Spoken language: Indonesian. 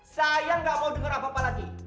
saya nggak mau dengar apa apa lagi